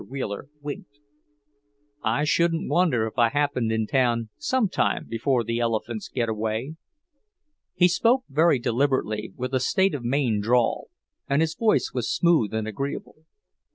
Wheeler winked. "I shouldn't wonder if I happened in town sometime before the elephants get away." He spoke very deliberately, with a State of Maine drawl, and his voice was smooth and agreeable.